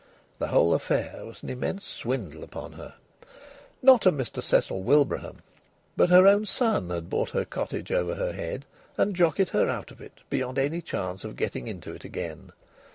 The whole affair was an immense swindle upon her. Not a Mr Cecil Wilbraham, but her own son had bought her cottage over her head and jockeyed her out of it beyond any chance of getting into it again.